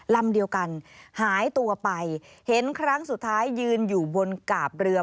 ลำเดียวกันหายตัวไปเห็นครั้งสุดท้ายยืนอยู่บนกาบเรือ